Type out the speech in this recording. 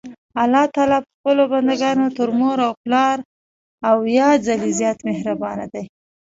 الله تعالی په خپلو بندګانو تر مور او پلار اويا ځلي زيات مهربان دي.